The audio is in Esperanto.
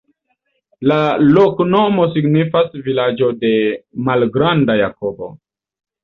La loknomo signifas: vilaĝo de malgranda Jakobo.